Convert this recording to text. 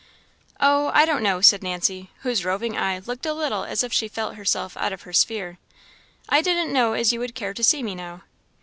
"Oh I don't know," said Nancy, whose roving eye looked a little as if she felt herself out of her sphere. "I didn't know as you would care to see me now."